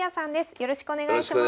よろしくお願いします。